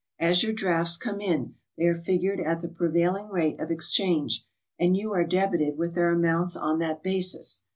As your drafts come in, they are figured at the prevailing rate of exchange, and you are debited with their amounts on that basis.